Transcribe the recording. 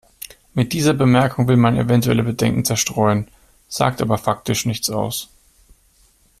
Mit dieser Bemerkung will man eventuelle Bedenken zerstreuen, sagt aber faktisch nichts aus.